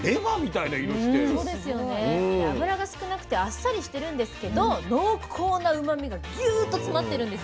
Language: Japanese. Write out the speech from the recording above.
で脂が少なくてあっさりしてるんですけど濃厚なうまみがギューッと詰まってるんです。